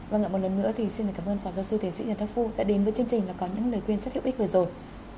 vâng ạ một lần nữa thì xin cảm ơn phó giáo sư tiến sĩ nhật đăng phu đã đến với chương trình và có những lời khuyên rất hữu ích vừa rồi